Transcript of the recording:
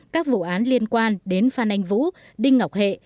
các vụ án liên quan đến phan anh vũ đinh ngọc hệ